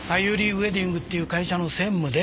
ウェディングっていう会社の専務で。